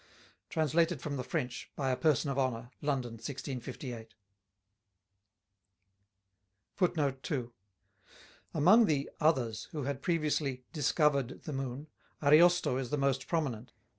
Translated from the French, by a Person of Honor. London, 1658." Among the "others" who had previously "discovered" the Moon, Ariosto is the most prominent.